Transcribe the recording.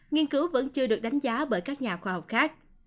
nghiên cứu vẫn chưa được đánh giá bởi các nhà khoa học khác